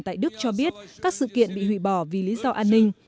tại đức cho biết các sự kiện bị hủy bỏ vì lý do an ninh